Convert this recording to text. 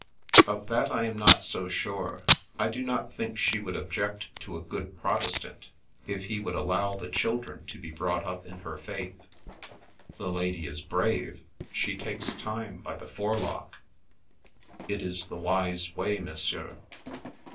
"' Of that I am not so sure. I do not think she would object to a good Protestant, if he would allow the children to be brought up in her faith." " The lady is brave. She takes time by the fore lock." " It is the wise way, Monsieur."